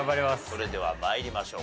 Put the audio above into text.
それでは参りましょう。